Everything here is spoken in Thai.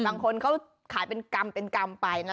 บางคนเขาขายเป็นกำเป็นกำไปนะ